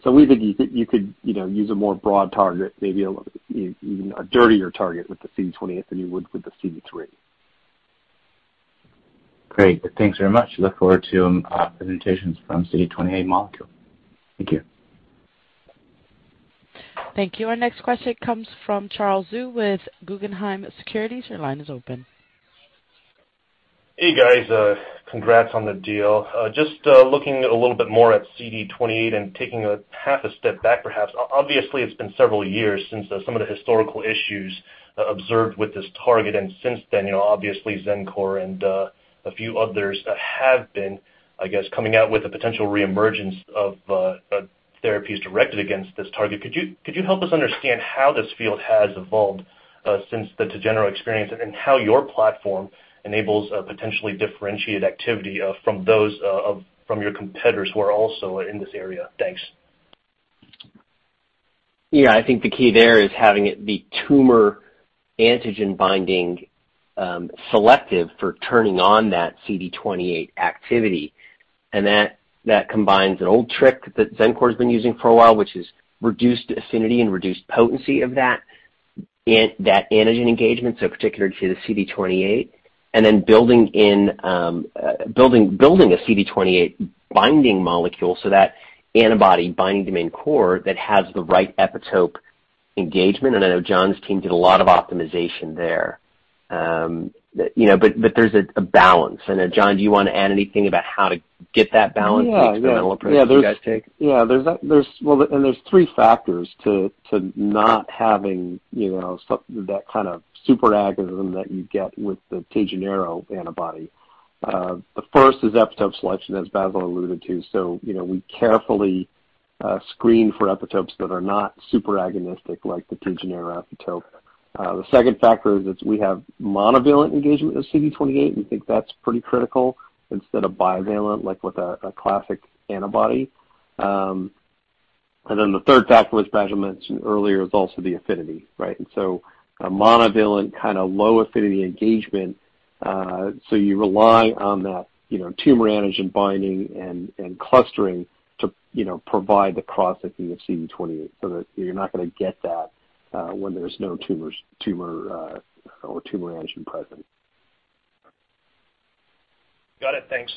We think you could use a more broad target, maybe even a dirtier target with the CD28 than you would with the CD3. Great. Thanks very much. Look forward to presentations from CD28 molecule. Thank you. Thank you. Our next question comes from Charles Zhu with Guggenheim Securities. Your line is open. Hey, guys. Congrats on the deal. Just looking a little bit more at CD28 and taking a half a step back, perhaps. Obviously, it's been several years since some of the historical issues observed with this target. Since then, obviously Xencor and a few others have been, I guess, coming out with a potential reemergence of therapies directed against this target. Could you help us understand how this field has evolved since the TeGenero experience, how your platform enables a potentially differentiated activity from your competitors who are also in this area? Thanks. Yeah. I think the key there is having it be tumor antigen binding selective for turning on that CD28 activity. That combines an old trick that Xencor's been using for a while, which is reduced affinity and reduced potency of that antigen engagement, so particular to the CD28, then building a CD28 binding molecule, so that antibody binding domain core that has the right epitope engagement. I know John's team did a lot of optimization there. There's a balance. John, do you want to add anything about how to get that balance, the experimental approach that you guys take? Yeah. Well, there's three factors to not having that kind of superagonism that you get with the TeGenero antibody. The first is epitope selection, as Bassil alluded to. We carefully screen for epitopes that are not superagonistic, like the TeGenero epitope. The second factor is we have monovalent engagement with CD28. We think that's pretty critical instead of bivalent, like with a classic antibody. The third factor, as Bassil mentioned earlier, is also the affinity, right? A monovalent kind of low affinity engagement, so you rely on that tumor antigen binding and clustering to provide the cross-linking of CD28 so that you're not going to get that when there's no tumor or tumor antigen present. Got it. Thanks.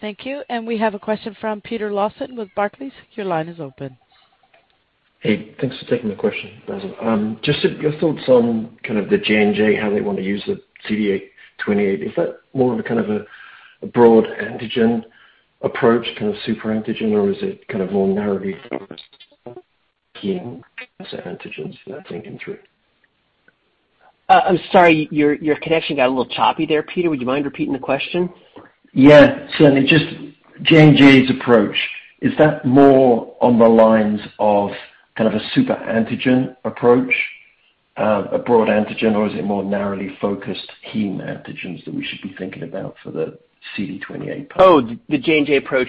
Thank you. We have a question from Peter Lawson with Barclays. Your line is open. Hey, thanks for taking the question, Bassil. Just your thoughts on kind of the J&J, how they want to use the CD28. Is that more of a kind of a broad antigen approach, kind of super antigen, or is it kind of more narrowly antigens you're thinking through? I'm sorry, your connection got a little choppy there, Peter. Would you mind repeating the question? Yeah, certainly. Just J&J's approach, is that more on the lines of kind of a super antigen approach, a broad antigen, or is it more narrowly focused heme antigens that we should be thinking about for the CD28 pathway? The J&J approach.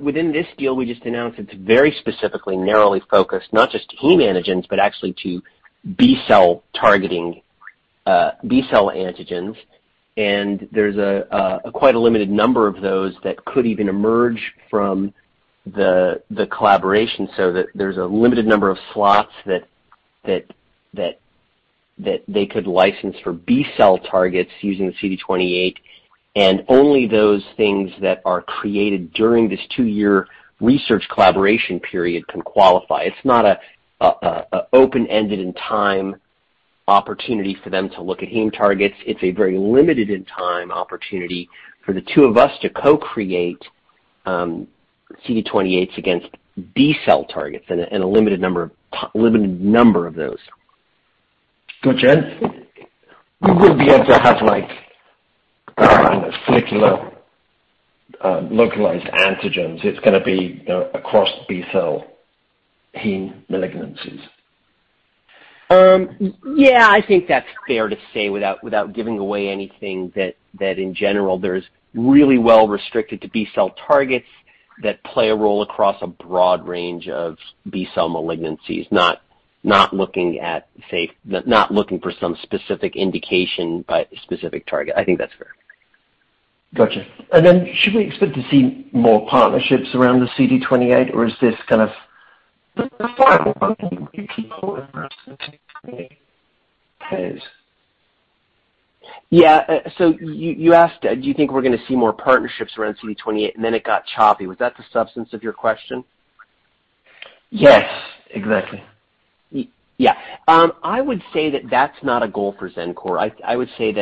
Within this deal we just announced, it's very specifically narrowly focused, not just heme antigens, but actually to B-cell targeting, B-cell antigens, and there's quite a limited number of those that could even emerge from the collaboration so that there's a limited number of slots that they could license for B-cell targets using the CD28. Only those things that are created during this two-year research collaboration period can qualify. It's not an open-ended in time opportunity for them to look at heme targets. It's a very limited in time opportunity for the two of us to co-create CD28s against B-cell targets and a limited number of those. Gotcha. We will be able to have circular, localized antigens. It's going to be across B-cell heme malignancies. Yeah. I think that's fair to say, without giving away anything, that in general, there's really well restricted to B-cell targets that play a role across a broad range of B-cell malignancies, not looking for some specific indication by a specific target. I think that's fair. Got you. Then should we expect to see more partnerships around the CD28, or is this kind of the final one? Yeah. You asked, do you think we're going to see more partnerships around CD28, and then it got choppy. Was that the substance of your question? Yes, exactly. Yeah. I would say that's not a goal for Xencor. I would say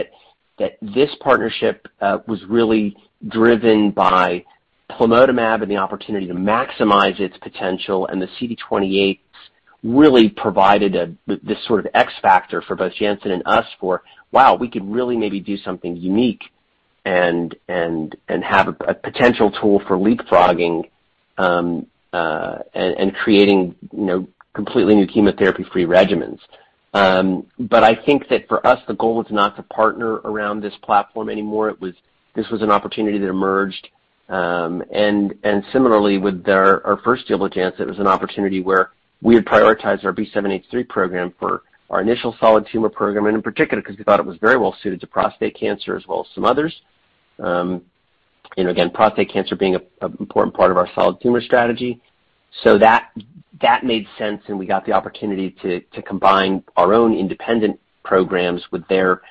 that this partnership was really driven by plamotamab and the opportunity to maximize its potential, and the CD28s really provided this sort of X factor for both Janssen and us for, wow, we could really maybe do something unique and have a potential tool for leapfrogging and creating completely new chemotherapy-free regimens. I think that for us, the goal was not to partner around this platform anymore. This was an opportunity that emerged. Similarly, with our first deal with Janssen, it was an opportunity where we had prioritized our B7-H3 program for our initial solid tumor program, and in particular, because we thought it was very well suited to prostate cancer as well as some others. Again, prostate cancer being an important part of our solid tumor strategy. That made sense, and we got the opportunity to combine our own independent programs with their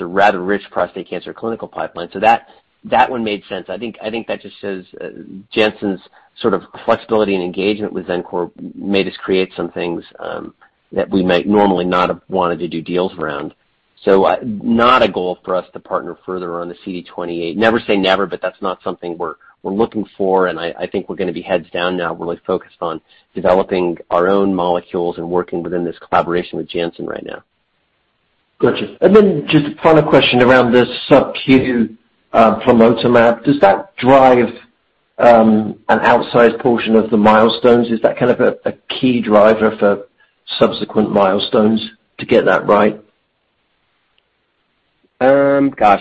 rather rich prostate cancer clinical pipeline. That one made sense. I think that just says Janssen's flexibility and engagement with Xencor made us create some things that we might normally not have wanted to do deals around. Not a goal for us to partner further on the CD28. Never say never, but that's not something we're looking for, and I think we're going to be heads down now, really focused on developing our own molecules and working within this collaboration with Janssen right now. Got you. Just a final question around the subQ plamotamab. Does that drive an outsized portion of the milestones? Is that kind of a key driver for subsequent milestones to get that right? Gosh,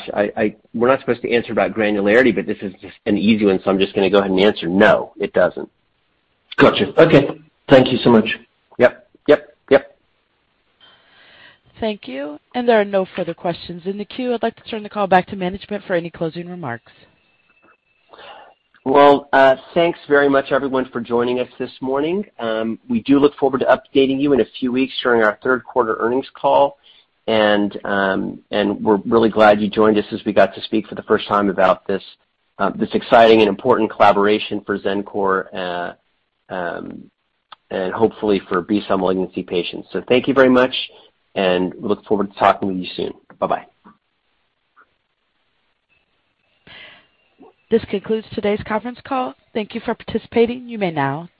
we're not supposed to answer about granularity, but this is just an easy one, so I'm just going to go ahead and answer. No, it doesn't. Got you. Okay. Thank you so much. Yep. Thank you. There are no further questions in the queue. I'd like to turn the call back to management for any closing remarks. Well, thanks very much, everyone, for joining us this morning. We do look forward to updating you in a few weeks during our third quarter earnings call. We're really glad you joined us as we got to speak for the first time about this exciting and important collaboration for Xencor, and hopefully for B-cell malignancy patients. Thank you very much, and we look forward to talking with you soon. Bye-bye. This concludes today's conference call. Thank you for participating. You may now disconnect.